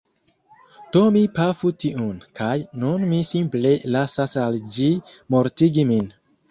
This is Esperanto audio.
Do mi pafu tiun, kaj nun mi simple lasas al ĝi mortigi min.